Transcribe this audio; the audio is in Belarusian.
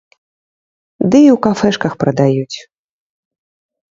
Ды і ў кафэшках прадаюць.